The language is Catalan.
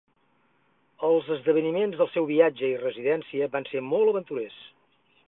Els esdeveniments del seu viatge i residència van ser molt aventurers.